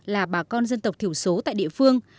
là bà con dân tộc thiểu số tại địa phương